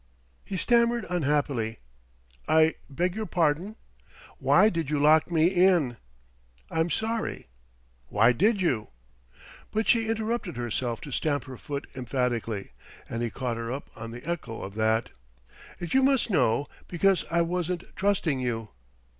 He stammered unhappily: "I beg your pardon " "Why did you lock me in?" "I'm sorry " "Why did you " But she interrupted herself to stamp her foot emphatically; and he caught her up on the echo of that: "If you must know, because I wasn't trusting you."